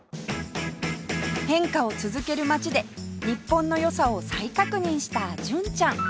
変化を続ける街で日本の良さを再確認した純ちゃん